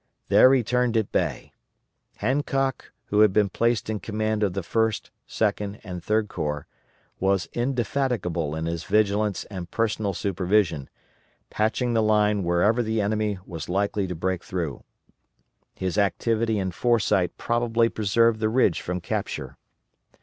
There he turned at bay. Hancock, who had been placed in command of the First, Second, and Third Corps, was indefatigable in his vigilance and personal supervision, "patching the line" wherever the enemy was likely to break through. His activity and foresight probably preserved the ridge from capture.